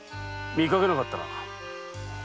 見かけなかったな。